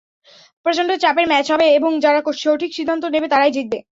প্রচন্ড চাপের ম্যাচ হবে এবং যারা সঠিক সিদ্ধান্ত নেবে তারাই জিতবে।